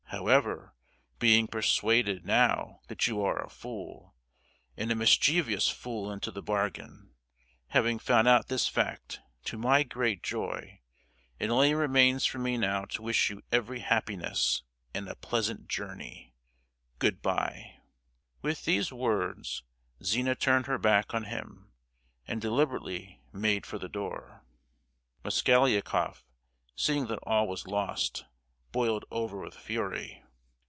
However, being persuaded, now, that you are a fool, and a mischievous fool into the bargain,—having found out this fact, to my great joy,—it only remains for me now to wish you every happiness and a pleasant journey. Good bye!" With these words Zina turned her back on him, and deliberately made for the door. Mosgliakoff, seeing that all was lost, boiled over with fury.